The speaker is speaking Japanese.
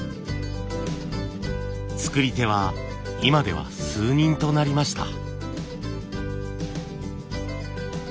作り手は今では数人となりました。